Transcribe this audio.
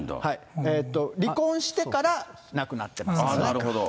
離婚してから亡くなってますなるほど。